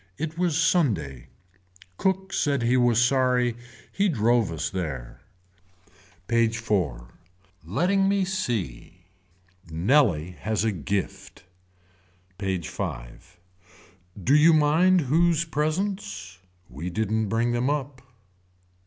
It was Sunday. Cook said he was sorry he drove us there. PAGE IV. Letting me see. Nellie has a gift. PAGE V. Do you mind whose presents. We didn't bring them up.